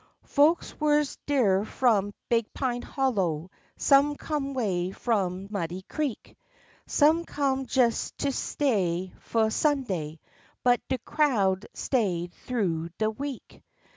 Folks wuz der f'om Big Pine Hollow, some come 'way f'om Muddy Creek, Some come jes to stay fu' Sunday, but de crowd stay'd thoo de week.